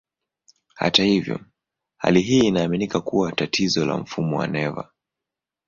Hata hivyo, hali hii inaaminika kuwa tatizo la mfumo wa neva.